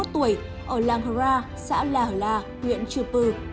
ba mươi một tuổi ở làng hra xã la hra huyện chư pư